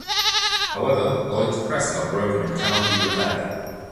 However, Lloyd’s press got broken and cannot be repaired.